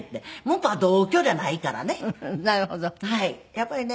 やっぱりね